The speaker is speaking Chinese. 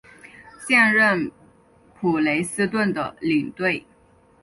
现任普雷斯顿的领队。